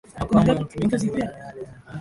Mapambo yanayotumika ni yale.